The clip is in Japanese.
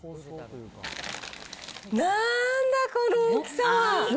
なんだ、この大きさは！